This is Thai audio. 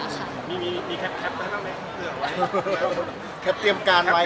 มีแคร็พที่ว่ามักให้